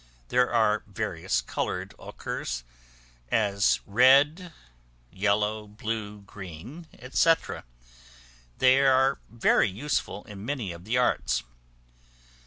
There are various colored ochres, as red, yellow, blue, green, &c. they are very useful in many of the arts.